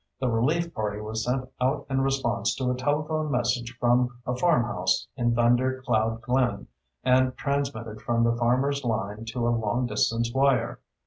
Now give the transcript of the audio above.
The relief party was sent out in response to a telephone message from a farmhouse in Thunder Cloud Glen, and transmitted from the farmer's line to a long distance wire.